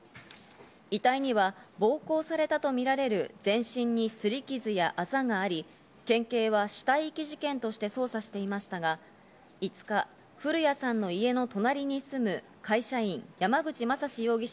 遺体には暴行されたとみられる全身に擦り傷やあざがあり、県警は死体遺棄事件として捜査していましたが、５日、古屋さんの家の隣に住む会社員山口正司容疑者